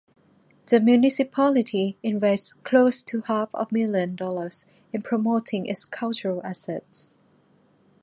The municipality invests close to half a million dollars in promoting its cultural assets.